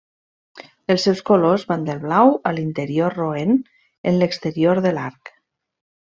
Els seus colors van del blau a l'interior roent en l'exterior de l'arc.